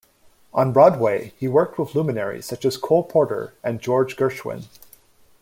On Broadway, he worked with luminaries such as Cole Porter and George Gershwin.